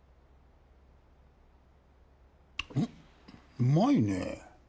うまいねぇ。